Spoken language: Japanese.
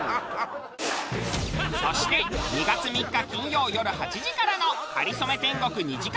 そして２月３日金曜よる８時からの『かりそめ天国』２時間